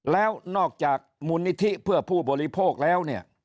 แล้วนอกจากมูลนิธิเพื่อผู้บริโภคแล้วเนี่ย